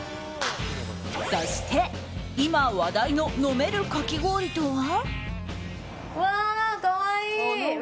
そして、今話題の飲めるかき氷とは。